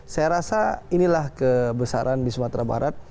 saya rasa inilah kebesaran di sumatera barat